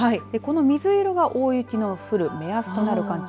水色が大雪の降る目安となる寒気。